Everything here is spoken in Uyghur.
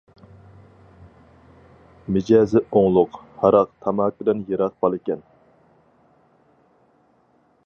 مىجەزى ئوڭلۇق، ھاراق، تاماكىدىن يىراق بالىكەن.